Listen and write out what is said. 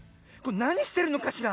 なにしてるのかしら。